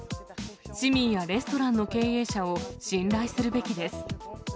市民やレストランの経営者を信頼するべきです。